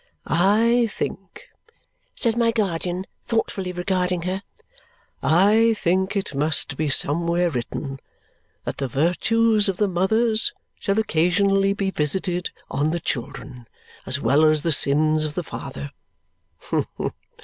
"I think," said my guardian, thoughtfully regarding her, "I think it must be somewhere written that the virtues of the mothers shall occasionally be visited on the children, as well as the sins of the father.